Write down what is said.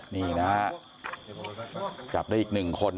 นี่นะจับได้อีกหนึ่งคน